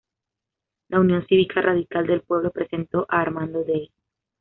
La Unión Cívica Radical del Pueblo presentó a Armando Day.